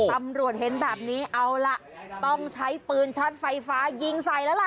ตำรวจเห็นแบบนี้เอาล่ะต้องใช้ปืนช็อตไฟฟ้ายิงใส่แล้วล่ะ